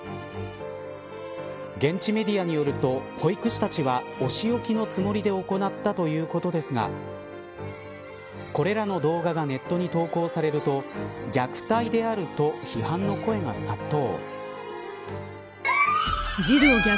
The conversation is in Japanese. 現地メディアによると保育士たちはお仕置きのつもりで行ったということですがこれらの動画がネットに投稿されると虐待であると批判の声が殺到。